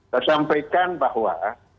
saya sampaikan bahwa